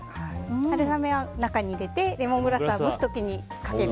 春雨は中に入れてレモングラスは蒸す時にかける。